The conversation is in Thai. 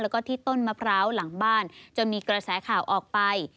แล้วก็ที่ต้นมะพร้าวหลังบ้านจนมีกระแสข่าวออกไป